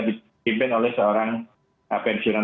dipimpin oleh seorang pensiunan